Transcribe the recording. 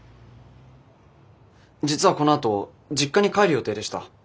実はこのあと実家に帰る予定でした。